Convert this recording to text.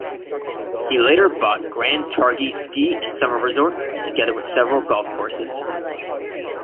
He later bought Grand Targhee Ski and Summer Resort, together with several golf courses.